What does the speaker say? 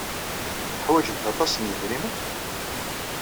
Teḥwajemt aṭas n yidrimen?